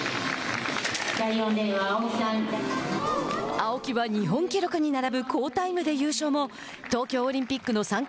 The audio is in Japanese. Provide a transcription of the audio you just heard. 青木は日本記録に並ぶ好タイムで優勝も東京オリンピックの参加